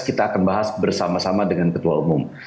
kita akan bahas bersama sama dengan ketua umum